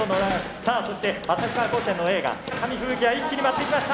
さあそして旭川高専のＡが紙吹雪が一気に舞っていきました。